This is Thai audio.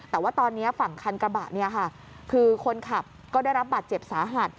แต่ว่าตอนนี้ฝั่งคันกระบะเนี่ยค่ะคือคนขับก็ได้รับบาดเจ็บสาหัส